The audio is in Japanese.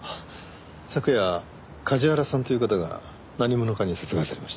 昨夜梶原さんという方が何者かに殺害されまして。